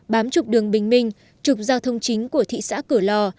bám trục đường bình minh trục giao thông chính của thị xã cửa lò